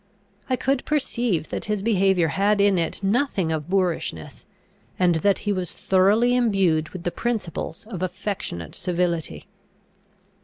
I could perceive that his behaviour had in it nothing of boorishness, and that he was thoroughly imbued with the principles of affectionate civility.